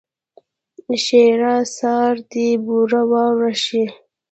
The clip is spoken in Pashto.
ښېرا؛ سار دې بوره وراره شي!